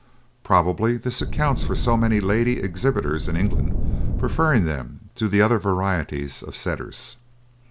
Probably this accounts for so many lady exhibitors in England preferring them to the other varieties of Setters.